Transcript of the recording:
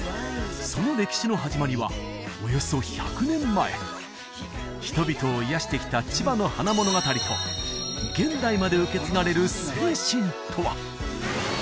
その歴史の始まりはおよそ１００年前人々を癒やしてきた千葉の花物語と現代まで受け継がれる精神とは！？